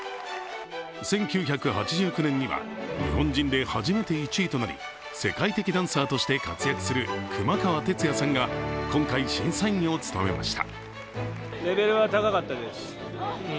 １９８９年には日本人で初めて１位となり世界的ダンサーとして活躍する熊川哲也さんが今回、審査員を務めました。